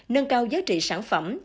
nâng cao giá trị sản phẩm